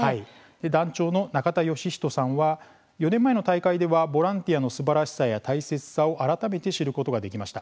団長の中田義仁さんは４年前の大会ではボランティアのすばらしさや大切さを改めて知ることができました。